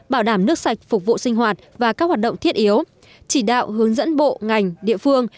bảo đảm nước sạch phục vụ sinh hoạt và các hoạt động thiết yếu chỉ đạo hướng dẫn bộ ngành địa phương